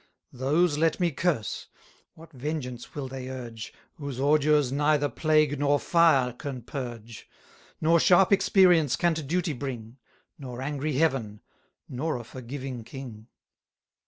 Those let me curse; what vengeance will they urge, Whose ordures neither plague nor fire can purge? Nor sharp experience can to duty bring, Nor angry Heaven, nor a forgiving king!